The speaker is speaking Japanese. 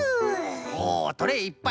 おおトレーいっぱい。